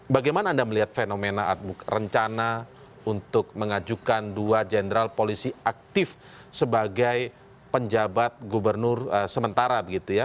bagaimana anda melihat fenomena rencana untuk mengajukan dua jenderal polisi aktif sebagai penjabat gubernur sementara begitu ya